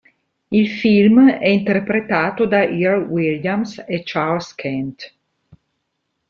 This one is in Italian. Il film è interpretato da Earle Williams e Charles Kent.